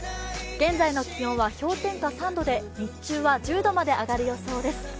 現在の気温は氷点下３度で日中は１０度まで上がる予想です。